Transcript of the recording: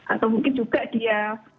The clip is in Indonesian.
atau mungkin juga dia